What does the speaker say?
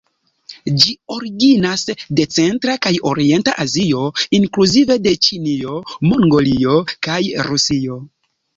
Ĝi originas de centra kaj orienta Azio, inkluzive de Ĉinio, Mongolio kaj Rusio.